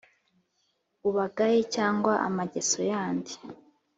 Ubagaye cyangwa amageso yandi